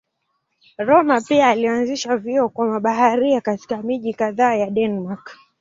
Rømer pia alianzisha vyuo kwa mabaharia katika miji kadhaa ya Denmark.